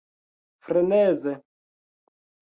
freneze